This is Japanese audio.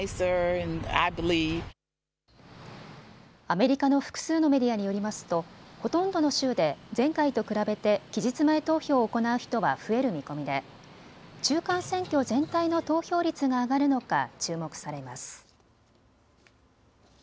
アメリカの複数のメディアによりますと、ほとんどの州で前回と比べて期日前投票を行う人は増える見込みで中間選挙全体の投票率が上がるのか注目されます。